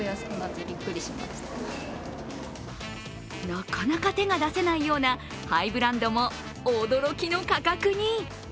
なかなか手が出せないようなハイブランドも驚きの価格に。